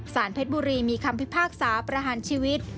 เพชรบุรีมีคำพิพากษาประหารชีวิต